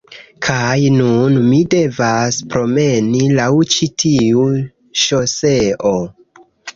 kaj nun mi devas promeni laŭ ĉi tiu ŝoseo.